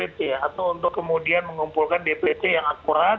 atau untuk kemudian mengumpulkan dpt yang akurat